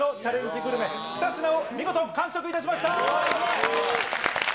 グルメ、２品を見事完食いたしました。